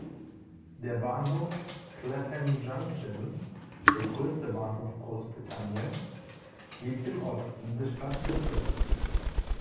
Der Bahnhof Clapham Junction, der größte Bahnhof Großbritanniens, liegt im Osten des Stadtbezirks.